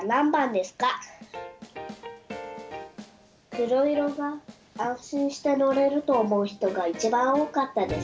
黒色が安心して乗れると思う人が一番多かったです。